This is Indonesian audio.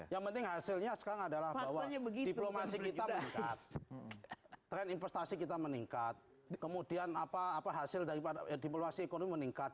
yang penting hasilnya sekarang adalah bahwa diplomasi kita meningkat tren investasi kita meningkat kemudian hasil dari diplomasi ekonomi meningkat